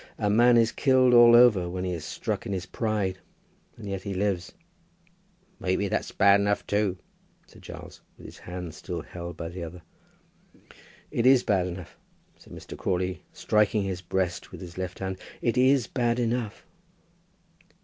A man is killed all over when he is struck in his pride; and yet he lives." "Maybe that's bad enough too," said Giles, with his hand still held by the other. "It is bad enough," said Mr. Crawley, striking his breast with his left hand. "It is bad enough."